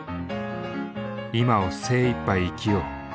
今を精いっぱい生きよう。